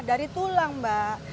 dari tulang mbak